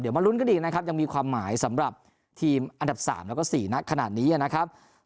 มาลุ้นกันดีนะครับยังมีความหมายสำหรับทีมอันดับ๓แล้วก็๔นักขนาดนี้นะครับ